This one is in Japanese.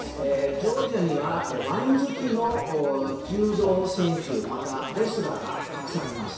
ジョージアにはワイン好きの柔道選手またレスラーがたくさんいます。